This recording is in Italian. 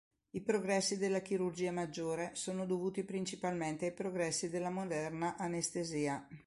I progressi della chirurgia maggiore sono dovuti principalmente ai progressi della moderna anestesia.